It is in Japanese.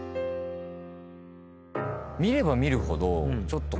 見れば見るほどちょっと。